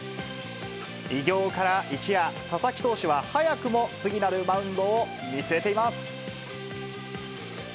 偉業から一夜、佐々木投手は、早くも次なるマウンドを見据えています。